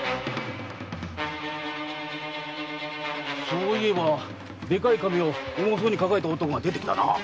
そういえばでかい瓶を重そうに抱えた男が出てきたな。